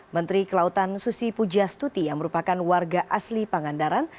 menteri kelautan susi pujastuti yang merupakan warga asli pangandaran